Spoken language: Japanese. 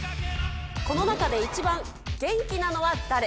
この中で、一番元気なのは誰？